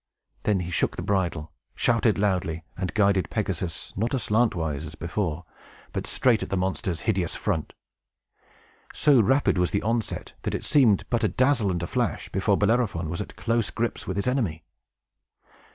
Then he shook the bridle, shouted loudly, and guided Pegasus, not aslantwise as before, but straight at the monster's hideous front. So rapid was the onset, that it seemed but a dazzle and a flash before Bellerophon was at close gripes with his enemy.